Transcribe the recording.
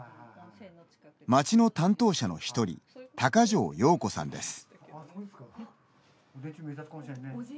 町の担当者の１人高城陽子さんです。